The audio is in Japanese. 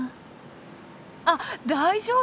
あっ大丈夫！？